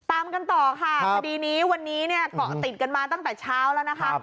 ตามกันต่อค่ะคดีนี้วันนี้เนี่ยเกาะติดกันมาตั้งแต่เช้าแล้วนะคะ